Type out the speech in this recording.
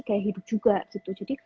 gaya hidup juga gitu jadi